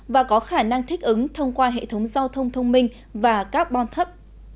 và có khả năng thích ứng thông qua hệ thống giao thông thông minh và các bon thấp